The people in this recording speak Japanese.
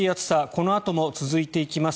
このあとも続いていきます。